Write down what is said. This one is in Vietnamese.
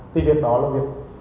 thì việc đó là việc